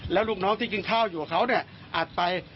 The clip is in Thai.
แล้วลูกน้องที่กินข้าวอยู่กับเขาเนี่ยอัดไป